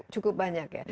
cukup banyak ya